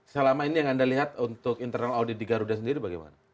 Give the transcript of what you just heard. selama ini yang anda lihat untuk internal audit di garuda sendiri bagaimana